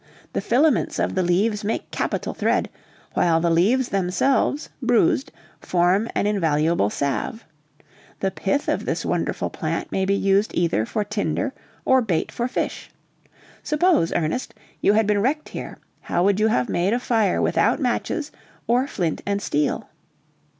The filaments of the leaves make capital thread, while the leaves themselves, bruised, form an invaluable salve. The pith of this wonderful plant may be used either for tinder or bait for fish. Suppose, Ernest, you had been wrecked here, how would you have made a fire without matches, or flint and steel?"